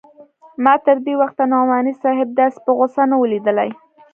ما تر دې وخته نعماني صاحب داسې په غوسه نه و ليدلى.